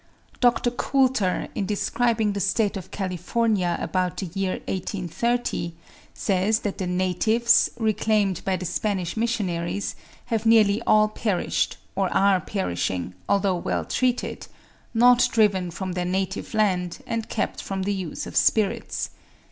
Dr. Coulter, in describing ('Journal R. Geograph. Soc.' vol. v. 1835, p. 67) the state of California about the year 1830, says that the natives, reclaimed by the Spanish missionaries, have nearly all perished, or are perishing, although well treated, not driven from their native land, and kept from the use of spirits.